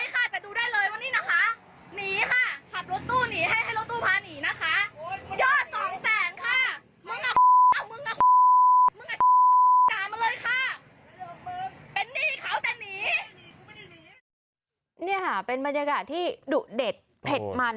โอ้ยยอดสองแสงค่ะเล่ามาเลยค่ะนี่ค่ะเป็นบรรยากาศที่ดุเดชเผ็ดมั่น